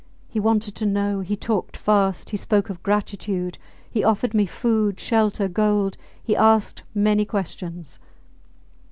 He wanted to know, he talked fast, he spoke of gratitude, he offered me food, shelter, gold he asked many questions.